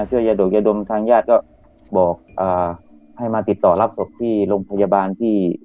ยาดกยาดมทางญาติก็บอกให้มาติดต่อรับศพที่โรงพยาบาลที่